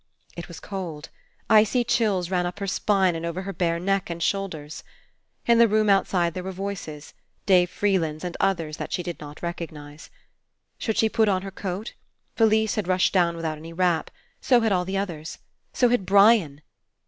It was cold. Icy chills ran up her spine and over her bare neck and shoulders. In the room outside there were voices. Dave Freeland's and others that she did not recognize. Should she put on her coat? Felise had rushed down without any wrap. So had all the others. So had Brian.